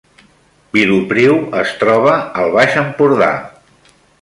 Vilopriu es troba al Baix Empordà